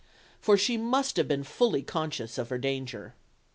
For she must have been fully conscious of her danger.